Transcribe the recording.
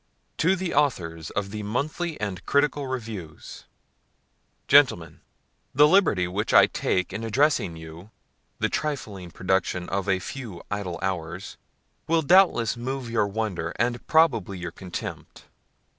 TO THE AUTHORS OF THE MONTHLY AND CRITICAL REVIEWS. GENTLEMEN, The liberty which I take in addressing to you the trifling production of a few idle hours, will doubtless move your wonder, and probably your contempt.